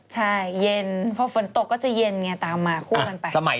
ใช่เย็นพอฝนตกก็จะเย็นไงตามมาคู่กันไป